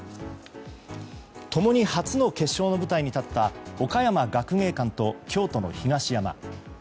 共に初の決勝の舞台に立った岡山学芸館と京都の東山。